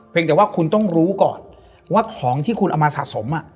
แต่ว่าคุณต้องรู้ก่อนว่าของที่คุณเอามาสะสม